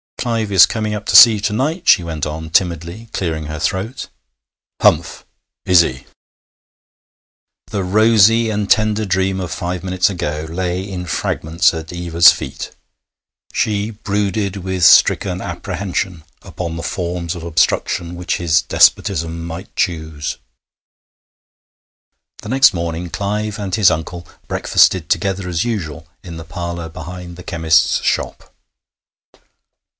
'Clive is coming up to see you to night,' she went on timidly, clearing her throat. 'Humph! Is he?' The rosy and tender dream of five minutes ago lay in fragments at Eva's feet. She brooded with stricken apprehension upon the forms of obstruction which his despotism might choose. The next morning Clive and his uncle breakfasted together as usual in the parlour behind, the chemist's shop.